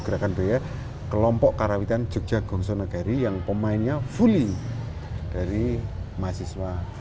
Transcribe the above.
gerakan doya kelompok karawitan jogja gongso nagari yang pemainnya fully dari mahasiswa